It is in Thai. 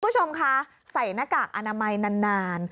คุณผู้ชมคะใส่หน้ากากอนามัยนาน